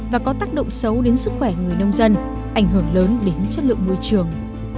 và có tác động xấu đến sức khỏe người nông dân ảnh hưởng lớn đến chất lượng môi trường